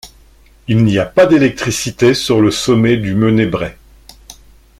Il n'y a pas d'électricité sur le sommet du Menez Bré.